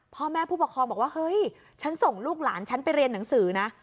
พ่อแม่ผู้ปกครองบอกว่าเฮ้ยฉันส่งลูกหลานฉันไปเรียนหนังสือนะ